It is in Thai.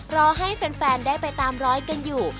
รอให้แฟนได้ไปตามร้อยกันอยู่